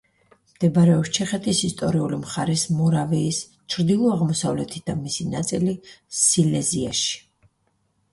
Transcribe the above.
მდებარეობს ჩეხეთის ისტორიული მხარის მორავიის ჩრდილო-აღმოსავლეთით და მისი ნაწილი სილეზიაში.